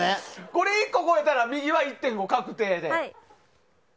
これ１個超えたら右は１．５確定で。